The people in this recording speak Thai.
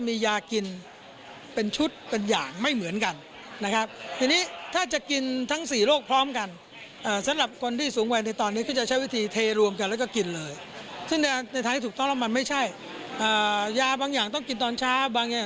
แต่ว่าในสถานการณ์ที่เราไม่ได้ไปดูเขาที่บ้าน